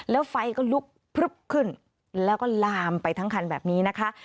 แล้วไฟก็ลุกพลึบขึ้นแล้วก็ลามไปทั้งคันแบบนี้นะคะ